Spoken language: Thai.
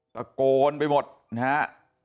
ตะโกนไปหมดนะฮะ